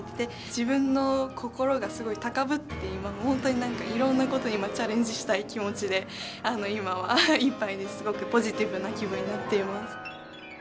自分の心がすごい高ぶってて今もう本当になんかいろんなことに今チャレンジしたい気持ちで今はいっぱいですごくポジティブな気分になっています。